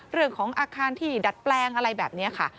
เรื่องของอาคารที่ดัดแปลงอะไรแบบนี้ค่ะ